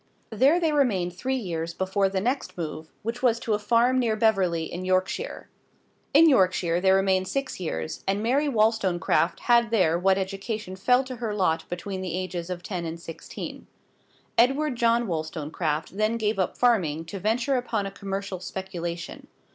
There they remained three years before the next move, which was to a farm near Beverley, in Yorkshire. In Yorkshire they remained six years, and Mary Wollstonecraft had there what education fell to her lot between the ages of ten and sixteen. Edward John Wollstonecraft then gave up farming to venture upon a commercial speculation.